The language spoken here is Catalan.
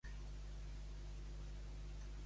—Fetge. —De la burra d'aquell metge.